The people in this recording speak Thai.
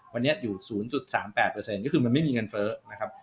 วันนี้อยู่๐๓๘ก็คือมันไม่มีเงินเฟ้อนะครับ